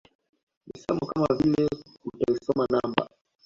Misemo kama vile utaisoma namba